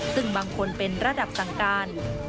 ซึ่งบางคนเป็นระดับสั่งการ